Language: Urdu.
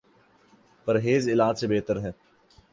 پرہیز علاج سے بہتر ہے